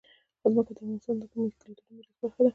ځمکه د افغانستان د کلتوري میراث برخه ده.